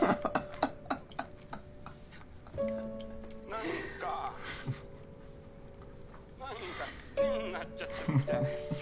何か何か好きになっちゃったみたい。